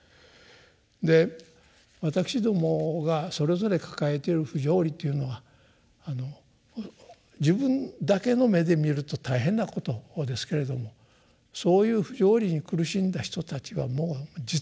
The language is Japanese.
で私どもがそれぞれ抱えている不条理というのは自分だけの目で見ると大変なことですけれどもそういう不条理に苦しんだ人たちはもう実に無数にいらっしゃると。